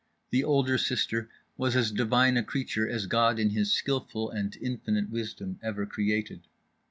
The older sister was as divine a creature as God in His skillful and infinite wisdom ever created.